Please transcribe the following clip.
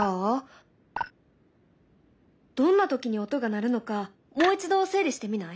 どんな時に音が鳴るのかもう一度整理してみない？